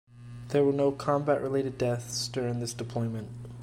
There were no combat related deaths during this Deployment.